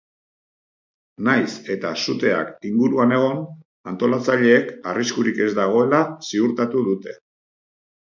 Nahiz eta suteak inguruan egon, antolatzaileek arriskurik ez dagoela ziurtatu dute.